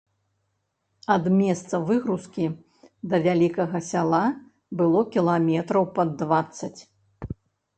Ад месца выгрузкі да вялікага сяла было кіламетраў пад дваццаць.